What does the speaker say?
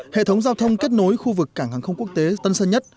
hệ thống giao thông kết nối khu vực cảng hàng không quốc tế tân sơn nhất